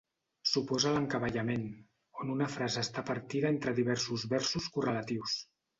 S'oposa a l'encavallament, on una frase està partida entre diversos versos correlatius.